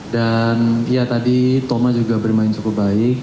dan ya tadi thomas juga bermain cukup baik